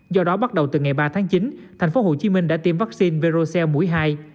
do đó bắt đầu từ ngày ba tháng chín thành phố hồ chí minh đã tiêm vaccine verocell mũi hai